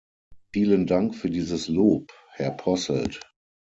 Vielen Dank für dieses Lob, Herr Posselt.